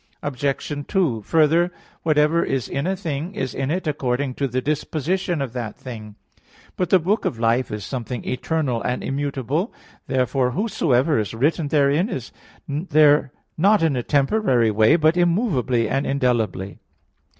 Obj. 2: Further, whatever is in a thing is in it according to the disposition of that thing. But the book of life is something eternal and immutable. Therefore whatsoever is written therein, is there not in a temporary way, but immovably, and indelibly.